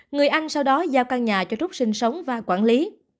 người anh sau đó giao căn nhà cho trúc sinh sống và quản lý